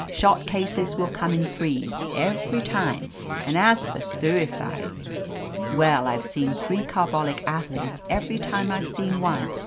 Shot cases will come in threes every time, and as for suicides! Well, I've seen three carbolic acids every time I've seen one.